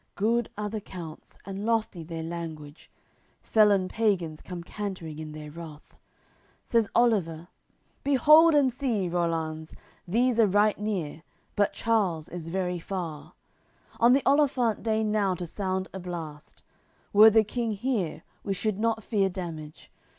Good are the counts, and lofty their language. Felon pagans come cantering in their wrath. Says Oliver: "Behold and see, Rollanz, These are right near, but Charles is very far. On the olifant deign now to sound a blast; Were the King here, we should not fear damage.